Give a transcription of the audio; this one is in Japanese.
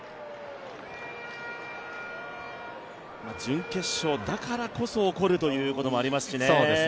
準決勝だからこそ起こるということもありますしね。